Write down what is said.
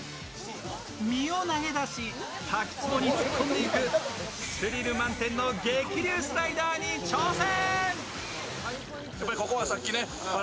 身を投げ出し、滝つぼに突っ込んでいく、スリル満点の激流スライダーに挑戦！